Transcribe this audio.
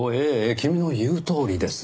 君の言うとおりです。